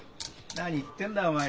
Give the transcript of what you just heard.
何言ってんだお前。